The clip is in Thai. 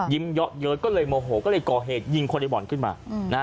เยอะเย้ยก็เลยโมโหก็เลยก่อเหตุยิงคนในบ่อนขึ้นมา